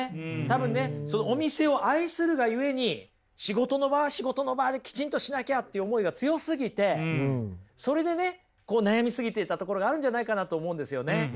多分ねそのお店を愛するがゆえに仕事の場は仕事の場できちんとしなきゃって思いが強すぎてそれでね悩みすぎていたところがあるんじゃないかなと思うんですよね。